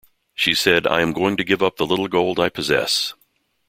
She said, ''I am going to give up the little gold I possess.